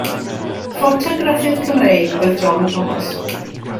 Ffotograffydd Cymreig oedd John Thomas.